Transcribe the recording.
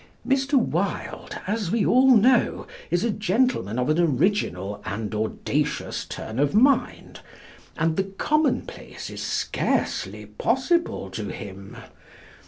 Mr. Wilde, as we all know, is a gentleman of an original and audacious turn of mind, and the commonplace is scarcely possible to him.